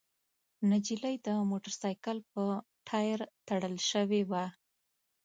نجلۍ د موټرسايکل په ټاير تړل شوې وه.